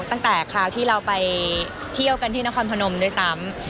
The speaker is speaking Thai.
คราวที่เราไปเที่ยวกันที่นครพนมด้วยซ้ำ